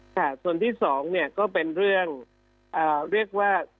ค่ะส่วนที่สองเนี่ยก็เป็นเรื่องเรียกว่า